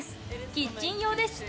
キッチン用です。